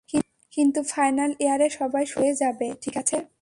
কিন্তু, ফাইনাল ইয়ারে সবাই সুন্দর হয়ে যাবে, ঠিক আছে?